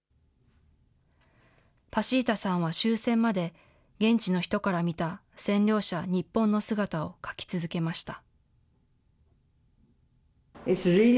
パシータさんは終戦まで、現地の人から見た占領者、日本の姿を書き続けました。